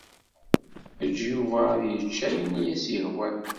Eǧǧ Yuba ad yečč ayen i as-yehwan.